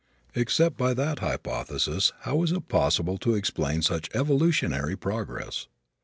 Except by that hypothesis how is it possible to explain such evolutionary progress?